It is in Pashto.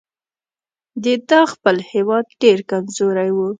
د ده خپل هیواد ډېر کمزوری وو.